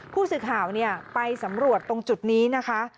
ผู้สื่อข่าวไปสำรวจตรงจุดนี้นะคะ